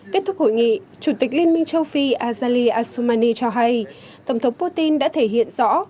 kết thúc hội nghị chủ tịch liên minh châu phi azali asumani cho hay tổng thống putin đã thể hiện rõ